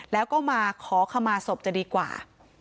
แล้วก็มาขอขมาศพจะดีกว่า